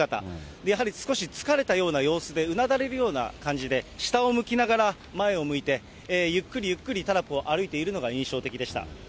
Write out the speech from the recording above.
やはり少し疲れたような様子で、うなだれるような感じで、下を向きながら前を向いて、ゆっくりゆっくりタラップを歩いているのが印象的でした。